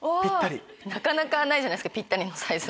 なかなかないじゃないですかぴったりのサイズ。